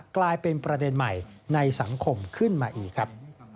กลายเป็นประเด็นใหม่ในสังคมขึ้นมาอีกครับ